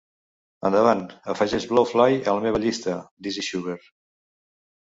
endavant, afegeix Blowfly a la meva llista "This Is Schubert"